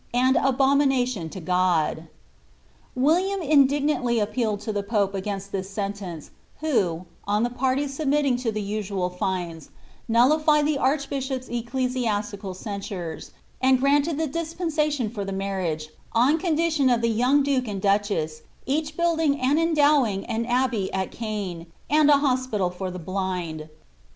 and abominable to God. William indignantly appealed to the pope against this «enienre, who, on the parties submitting to the usual tines, nuitified the arehbishop'a I ecclesiastical censures, and granted the dispensation for the marriage, on I eoniiiiion of the young duke and duchess each building and endowing in I ^bey at Caen, an<l an hospital for the Uind.